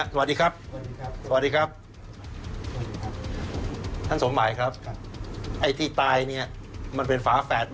สวัสดีครับสวัสดีครับสวัสดีครับ